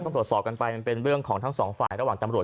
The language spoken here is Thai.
ต้องตรวจสอบมาเป็นเรื่องของทั้ง๒ฝ่าย